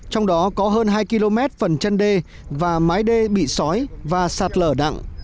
trong đó có hơn hai km phần chân đê và mái đê bị sói và sạt lở nặng